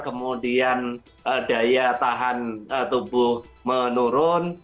kemudian daya tahan tubuh menurun